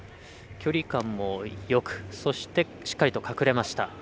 距離感もよくそして、しっかりと隠れました。